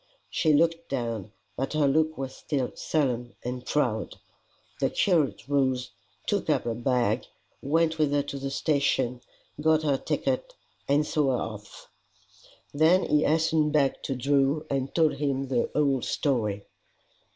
She looked down, but her look was still sullen and proud. The curate rose, took up her bag, went with her to the station, got her ticket, and saw her off. Then he hastened back to Drew, and told him the whole story.